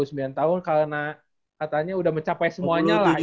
umur dua puluh sembilan tahun karena katanya udah mencapai semuanya lah